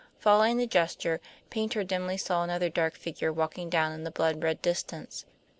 Following the gesture, Paynter dimly saw another dark figure walking down in the blood red distance.